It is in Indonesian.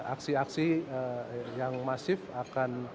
aksi aksi yang masif akan